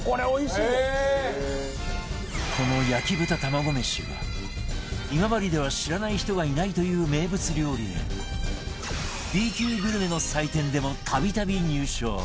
この焼豚玉子飯は今治では知らない人はいないという名物料理で Ｂ 級グルメの祭典でも度々入賞